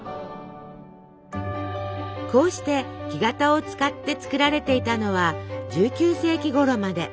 こうして木型を使って作られていたのは１９世紀ごろまで。